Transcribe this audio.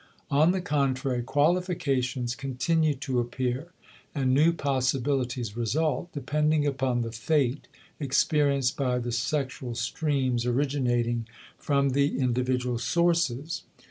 On the contrary, qualifications continue to appear and new possibilities result, depending upon the fate experienced by the sexual streams originating from the individual sources.